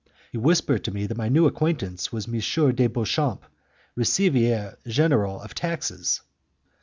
He whispered to me that my new acquaintance was M. de Beauchamp, Receiver General of Taxes.